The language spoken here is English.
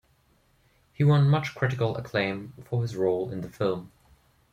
He won much critical acclaim for his role in the film.